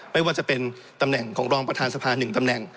ไม่ว่าจะเป็นตำแหน่งของรองประธานสภา๑ตำแหน่ง